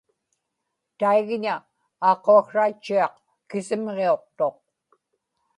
taigña aaquaksraatchiaq kisimġiuqtuq